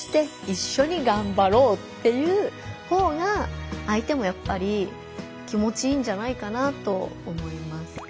っていうほうが相手もやっぱり気持ちいいんじゃないかなと思います。